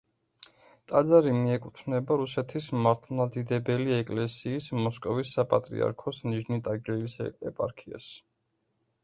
ტაძარი მიეკუთვნება რუსეთის მართლმადიდებელი ეკლესიის მოსკოვის საპატრიარქოს ნიჟნი-ტაგილის ეპარქიას.